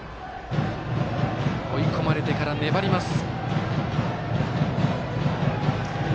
追い込まれてから粘ります。